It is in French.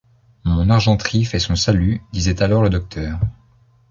Mon argenterie fait son salut, disait alors le docteur.